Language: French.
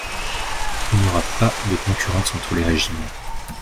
Il n’y aura pas de concurrence entre les régimes.